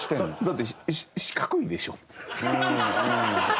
だって四角いでしょ？